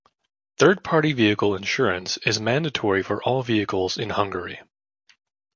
Third-party vehicle insurance is mandatory for all vehicles in Hungary.